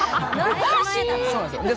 そうなんですよ。